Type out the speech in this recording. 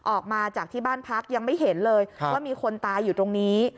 ออกมาจากที่บ้านพักยังไม่เห็นเลยว่ามีคนตายอยู่ตรงนี้